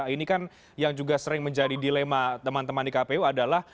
ini kan yang juga sering menjadi dilema teman teman di kpu adalah